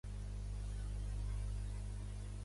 La majoria dels casos de coloboma afecten només l'iris.